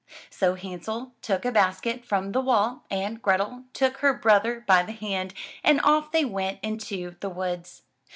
So Hansel took a basket from the wall, and Grethel took her brother by the hand, and off they went into the woods.